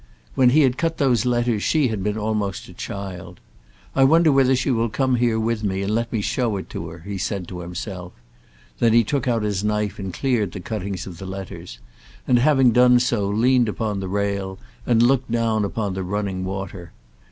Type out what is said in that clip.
When he cut those letters she had been almost a child. "I wonder whether she will come here with me and let me show it to her," he said to himself. Then he took out his knife and cleared the cuttings of the letters, and having done so, leaned upon the rail, and looked down upon the running water.